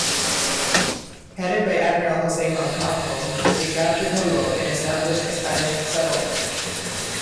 Headed by Admiral Jose Malcampo, they captured Jolo and established a Spanish settlement.